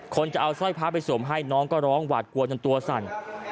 คนจะเอาสร้อยพระไปสวมให้น้องก็ร้องหวาดกลัวจนตัวสั่น